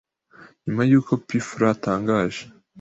Nyuma y’uko P Fla atangaje